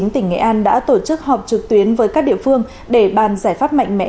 tp hcm đã tổ chức họp trực tuyến với các địa phương để bàn giải pháp mạnh mẽ